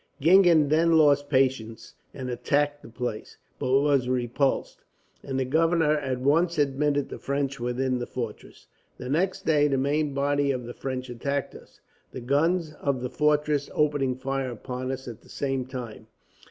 "Gingen then lost patience and attacked the place, but was repulsed, and the governor at once admitted the French within the fortress. The next day the main body of the French attacked us, the guns of the fortress opening fire upon us at the same time.